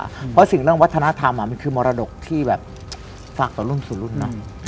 เพราะสิ่งเรื่องวัฒนธรรมมันคือมรดกที่แบบฝากต่อรุ่นสู่รุ่นเนาะ